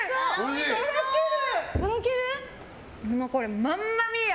とろける！